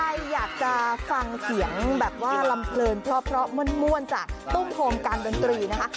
ใครอยากจะฟังเสียงแบบว่าลำเพลินเพราะม่วนจากตุ้มโฮมการดนตรีนะคะ